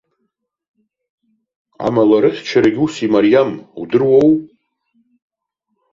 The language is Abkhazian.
Амала, рыхьчарагьы ус имариам, удыруоу?